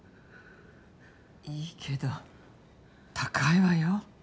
いいけど高いわよ？